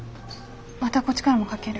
またこっちからもかける。